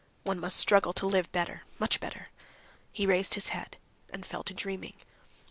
One must struggle to live better, much better."... He raised his head, and fell to dreaming.